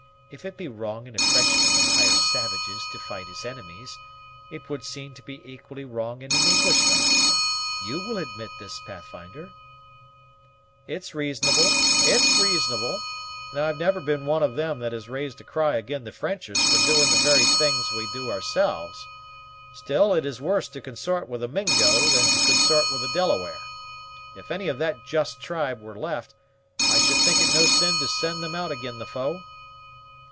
If it be wrong in a Frenchman to hire savages to fight his enemies, it would seem to be equally wrong in an Englishman. You will admit this, Pathfinder?" "It's reasonable, it's reasonable; and I have never been one of them that has raised a cry ag'in the Frenchers for doing the very thing we do ourselves. Still it is worse to consort with a Mingo than to consort with a Delaware. If any of that just tribe were left, I should think it no sin to send them out ag'in the foe."